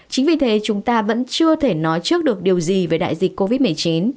chính vì thế chúng ta vẫn chưa thể nói trước được điều gì về đại dịch covid một mươi chín